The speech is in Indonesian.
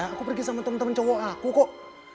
aku pergi sama temen temen cowok aku kok